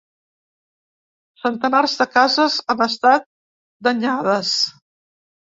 Centenars de cases han estat danyades.